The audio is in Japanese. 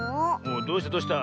どうしたどうした？